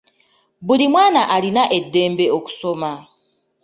Buli mwana alina eddembe okusoma.